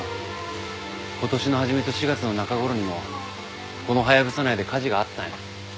今年の始めと４月の中頃にもこのハヤブサ内で火事があったんや。